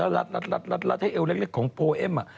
รัดให้เอวเล็กของโพเอ็ม